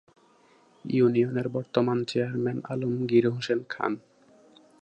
ইউনিয়নের বর্তমান চেয়ারম্যান আলমগীর হোসেন খান